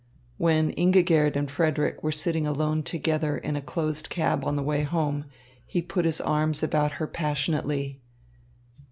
When Ingigerd and Frederick were sitting alone together in a closed cab on the way home, he put his arms about her passionately.